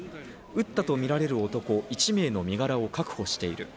撃ったみられる男１名の身柄を確保している。